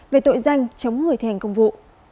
về tội danh chống người thể hành công vụ